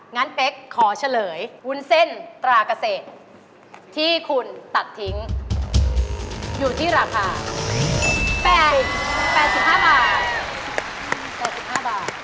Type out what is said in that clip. งั้นเป๊กขอเฉลยวุ้นเส้นตราเกษตรที่คุณตัดทิ้งอยู่ที่ราคา๘๕บาท๗๕บาท